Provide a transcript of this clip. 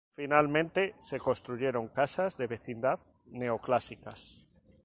Finalmente se construyeron casas de vecindad neoclásicas.